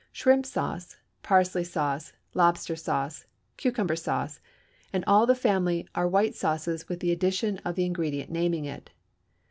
Shrimp sauce, parsley sauce, lobster sauce, cucumber sauce, and all the family are white sauce with the addition of the ingredient naming it.